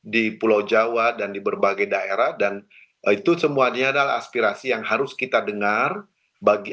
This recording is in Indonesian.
di pulau jawa dan di berbagai daerah dan itu semuanya adalah aspirasi yang harus kita dengar bagi